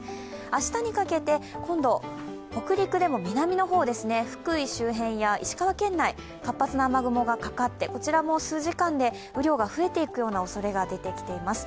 明日にかけて、今度、北陸でも南の方ですね、福井周辺や、石川県内活発な雨雲がかかってこちらも数時間で雨量が増えていくようなおそれが出てきています。